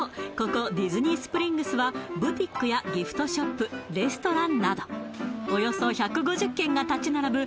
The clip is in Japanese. ここディズニー・スプリングスはブティックやギフトショップレストランなどおよそ１５０軒が立ち並ぶ